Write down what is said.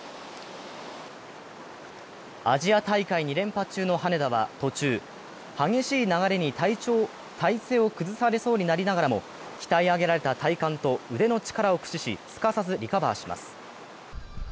アジア大会２連覇中の羽根田は途中、激しい流れに体勢を崩されそうになりながらも鍛え上げられた体幹と腕の力を駆使し、すかさずリカバーします。